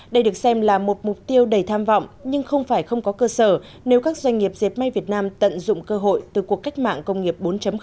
đây được xem là một mục tiêu đầy tham vọng nhưng không phải không có cơ sở nếu các doanh nghiệp dẹp may việt nam tận dụng cơ hội từ cuộc cách mạng công nghiệp bốn